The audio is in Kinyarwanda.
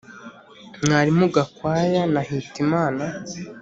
mwalimu gakwaya na hitimana